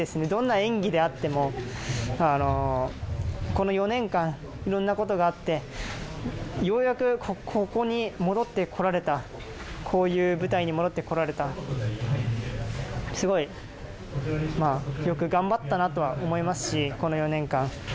どんな演技であってもこの４年間、いろんなことがあってようやく、ここに戻ってこられたこういう舞台に戻ってこられたすごいよく頑張ったなとは思いますし、この４年間。